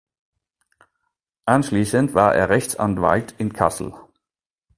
Anschließend war er Rechtsanwalt in Kassel.